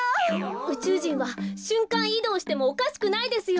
うちゅうじんはしゅんかんいどうしてもおかしくないですよ。